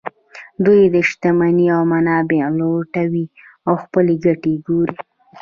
دوی شتمنۍ او منابع لوټوي او خپلې ګټې ګوري